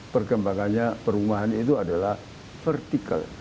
perkembangannya perumahan itu adalah vertikal